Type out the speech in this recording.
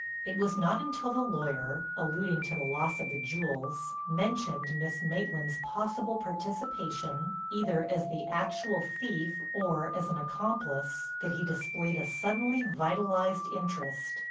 It was not until the lawyer, alluding to the loss of the jewels, mentioned Miss Maitland's possible participation either as the actual thief or as an accomplice, that he displayed a suddenly vitalized interest.